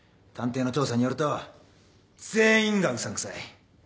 探偵の調査によると全員がうさんくさい。